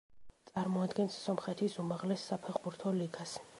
წარმოადგენს სომხეთის უმაღლეს საფეხბურთო ლიგას.